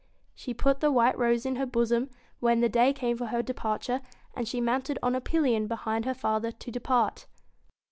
She put the white rose in her bosom, when the day came for de parture, and she mounted on a pillion behind her father to depart.